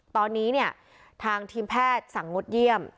ตอนนี้เนี่ยทางทีมแพทย์สั่งงดเยี่ยม